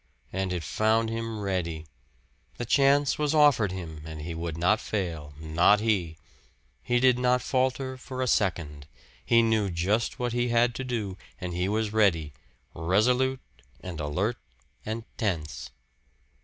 And it found him ready. The chance was offered him, and he would not fail not he! He did not falter for a second. He knew just what he had to do, and he was ready resolute, and alert, and tense.